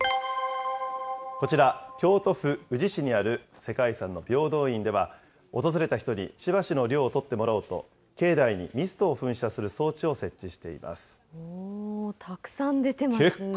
こちら、京都府宇治市にある世界遺産の平等院では、訪れた人にしばしの涼をとってもらおうと、境内にミストを噴射する装置を設置しています。